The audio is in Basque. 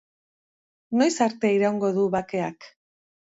Noiz arte iraungo du bakeak?